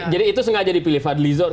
jadi itu sengaja dipilih fadlizon